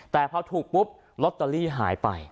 แต่พอถูกปุ๊บลอตเตอรี่หายไป